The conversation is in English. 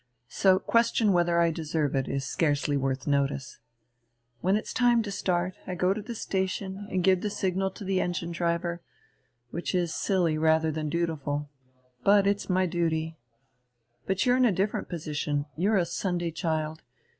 So question whether I deserve it is scarcely worth notice. When it's time to start, I go to the station and give the signal to the engine driver, which is silly rather than dutiful, but it's my duty. But you're in a different position. You're a Sunday child.